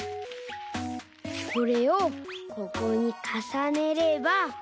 これをここにかさねれば。